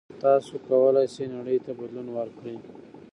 تاسو کولای شئ نړۍ ته بدلون ورکړئ.